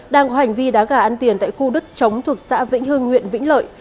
đang có hành vi đá gà ăn tiền tại khu đất chống thuộc xã vĩnh hưng huyện vĩnh lợi